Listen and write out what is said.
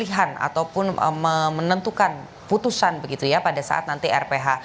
pilihan ataupun menentukan putusan begitu ya pada saat nanti rph